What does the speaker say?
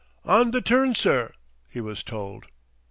"On th' turn, sir," he was told.